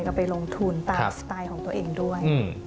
เอาไปลงทุนตามสไตล์ของตัวเองด้วย